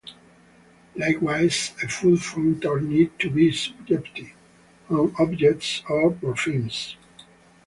Likewise, a full functor need not be surjective on objects or morphisms.